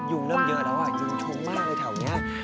ยุงเริ่มเยอะแล้วอะยุงทุกข์มากเลยแถวเนี้ย